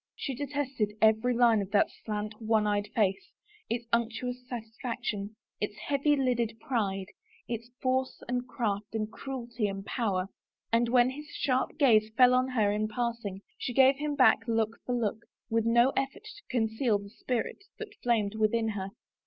She detested every line of that slant, one eyed face, its imctuous satisfaction, its heavy lidded pride, its force and craft, and cruelty and power. And when his sharp gaze fell on her in passing, she gave him back look for look, with no eflfort to conceal the spirit that flamed within her.